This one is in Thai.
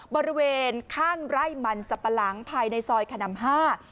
บริเวณข้างไร่มันสับปะหลังภายในซอยขนำห้า